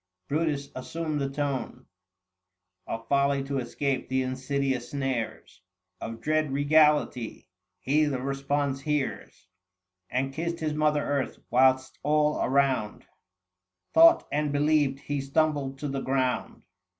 Brutus assumed the tone 770 Of folly to escape insidious snares Of dread regality : he the response hears, And kissed his mother Earth ; whilst all around Thought and believed he stumbled to the ground.